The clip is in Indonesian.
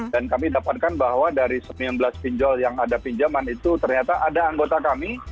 dan kami dapatkan bahwa dari sembilan belas pinjol yang ada pinjaman itu ternyata ada anggota kami